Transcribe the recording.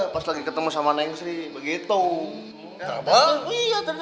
pas lagi ketemu sama neng sri begitu